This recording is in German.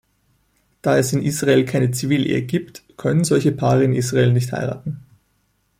Da es in Israel keine Zivilehe gibt, können solche Paare in Israel nicht heiraten.